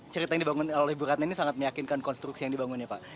cerita yang dibangun oleh bu ratna ini sangat meyakinkan konstruksi yang dibangun ya pak